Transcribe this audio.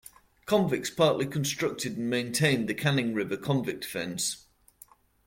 Convicts partly constructed and maintained the Canning River Convict Fence.